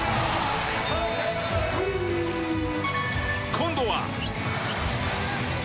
今度は。